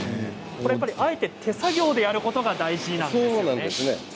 あえて手作業でやることが大事なんですね。